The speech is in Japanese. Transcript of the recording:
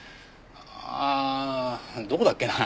ああどこだっけな？